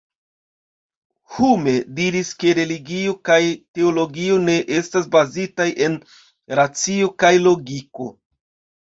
Hume diris ke religio kaj teologio ne estas bazitaj en racio kaj logiko.